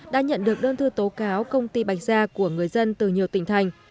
đã nhận được đơn thư tố cáo công ty bạch gia của người dân từ nhiều tỉnh thành